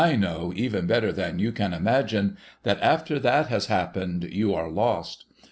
know even better than you can imagine, that, after that has happened, you are lost.